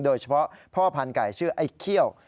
โดยเฉพาะพ่อพันธุ์ไก่ชื่อไอ้เขี้ยว